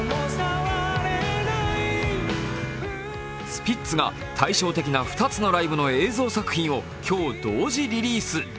スピッツが対照的な２つのライブの映像作品を今日、同時リリース。